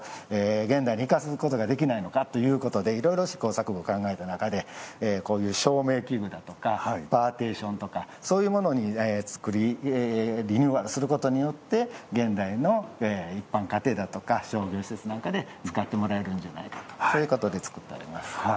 現代に生かすことができないのかということでいろいろ試行錯誤考えた中でこういう照明器具だとかパーティションとかそういうものにリニューアルすることによって現代の一般家庭だとか商業施設なんかで使ってもらえるんじゃないかとそういうことで作っております。